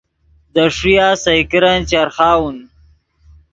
دے ݰویہ سئے کرن چرخاؤن